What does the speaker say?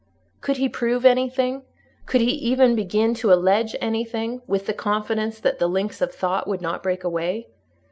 Could he prove anything? Could he even begin to allege anything, with the confidence that the links of thought would not break away?